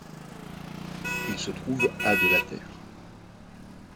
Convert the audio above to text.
Il se trouve à de la terre.